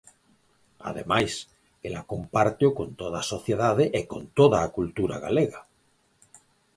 Ademais, ela compárteo con toda a sociedade e con toda a cultura galega.